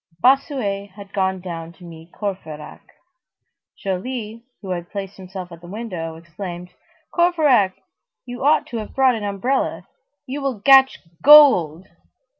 Bossuet had gone down to meet Courfeyrac. Joly, who had placed himself at the window, exclaimed:— "Courfeyrac, you ought to have brought an umbrella. You will gatch gold."